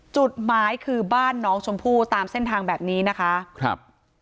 จุดหมายคือบ้านน้องชมพู่ตามเส้นทางแบบนี้นะคะครับ